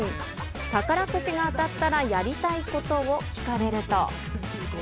宝くじが当たったらやりたいことを聞かれると。